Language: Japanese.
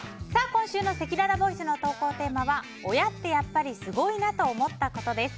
今週のせきららボイスの投稿テーマは親ってやっぱりすごいなと思ったことです。